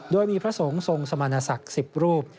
โดยมีพระสงฆ์ทรงสมณศักดิ์๑๐รูป